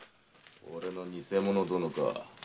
俺の偽者殿か。